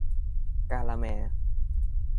กาละแมร์